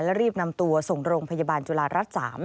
และรีบนำตัวส่งโรงพยาบาลจุฬารัฐ๓